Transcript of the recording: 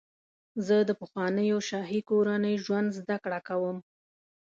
زه د پخوانیو شاهي کورنیو ژوند زدهکړه کوم.